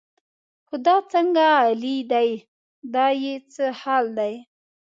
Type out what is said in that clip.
خو دا څنګه غلی دی دا یې څه حال دی.